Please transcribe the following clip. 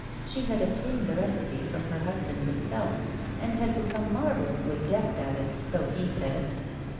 She had obtained the recipe from her husband himself, and had become marvellously deft at it, so he said.